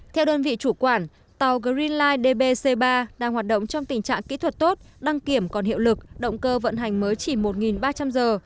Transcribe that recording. theo đơn vị chủ quản tàu green life dbc ba đang hoạt động trong tình trạng kỹ thuật tốt đăng kiểm còn hiệu lực động cơ vận hành mới chỉ một ba trăm linh giờ